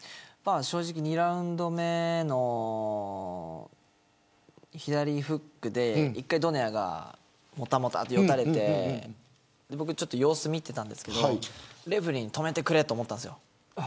正直、２ラウンド目の左フックでドネアがもたもたと、よたれて僕、様子見ていたんですがレフェリーに止めてくれと思ったんです。